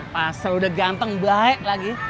pasal udah ganteng baik lagi